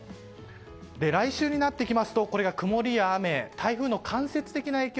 来週になってきますとこれが曇りや雨台風の間接的な影響